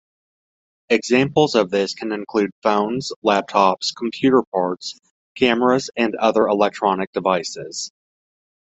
Examples of this can include phones, laptops, computer parts, cameras and other electronic devices.